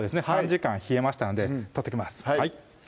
３時間冷えましたので取ってきますはい